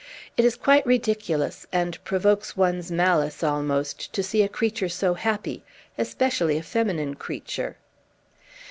It is quite ridiculous, and provokes one's malice almost, to see a creature so happy, especially a feminine creature."